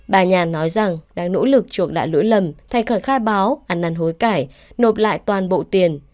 bà nhàn nói rằng đang nỗ lực chuộc đại lưỡi lầm thay khởi khai báo ăn năn hối cải nộp lại toàn bộ tiền